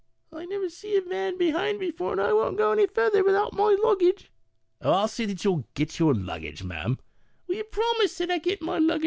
I never see a wan behind before, and I won't go any further without my luggage." Porter. " Oh, I'll see that you get your luggage, ma'am." Eat Lady. " Will you promise that I get my luggage